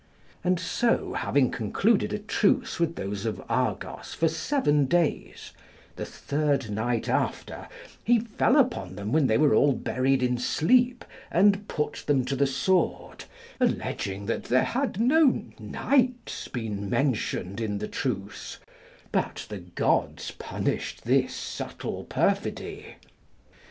And so, having concluded a truce with those of Argos for seven days, the third night after he fell upon them when they were all buried in sleep, and put them to the sword, alleging that there had no nights been mentioned in the truce; but the gods punished this subtle perfidy.